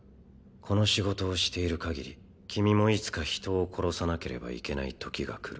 この仕事をしているかぎり君もいつか人を殺さなければいけないときが来る。